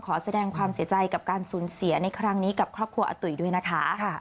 ขอแสดงความเสียใจกับการสูญเสียในครั้งนี้กับครอบครัวอาตุ๋ยด้วยนะคะ